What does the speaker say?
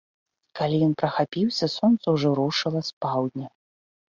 Калі ён прахапіўся, сонца ўжо рушыла з паўдня.